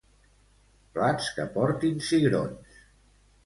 Plats que portin cigrons.